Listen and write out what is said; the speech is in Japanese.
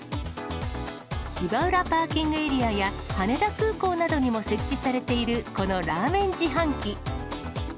芝浦パーキングエリアや羽田空港などにも設置されているこのラーメン自販機。